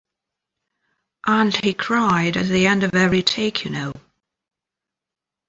And he cried at the end of every take, you know.